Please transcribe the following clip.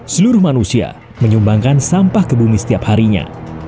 seluruh manusia menyumbangkan sampah ke bumi setiap harinya